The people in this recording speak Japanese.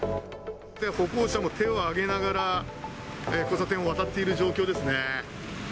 歩行者も手を挙げながら交差点を渡っている状況ですね。